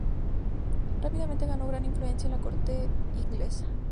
Rápidamente ganó gran influencia en la corte inglesa.